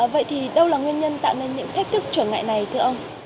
vậy thì đâu là nguyên nhân tạo nên những thách thức trở ngại này thưa ông